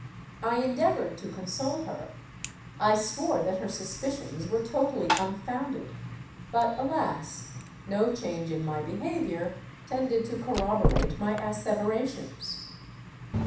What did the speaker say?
I endeavoured to console her: I swore that her suspicions were totally unfounded:—but, alas! no change in my behaviour tended to corroborate my asseverations.